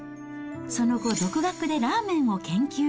その後、独学でラーメンを研究。